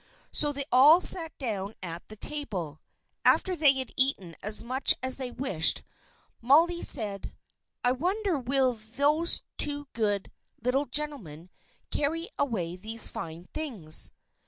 So they all sat down at the table. After they had eaten as much as they wished, Molly said: "I wonder will those two good, little gentlemen carry away these fine things."